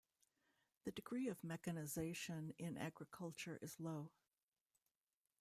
The degree of mechanisation in agriculture is low.